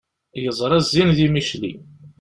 Yeẓra zzin di Micli.